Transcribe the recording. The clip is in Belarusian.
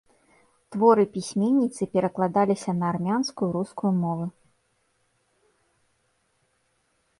Творы пісьменніцы перакладаліся на армянскую, рускую мовы.